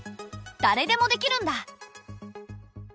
だれでもできるんだ。